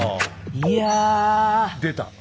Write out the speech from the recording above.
いや。出た。